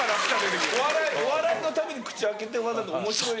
お笑いのために口開けてわざとおもしろい。